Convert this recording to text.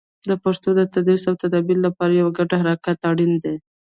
د پښتو د تدریس او تدابیر لپاره یو ګډ حرکت اړین دی.